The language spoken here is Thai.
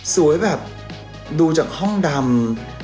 แบบดูจากห้องดำ